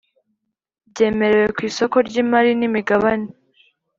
byemerewe ku isoko ry imari n imigabane